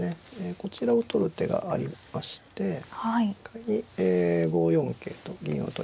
こちらを取る手がありまして仮に５四桂と銀を取りますとね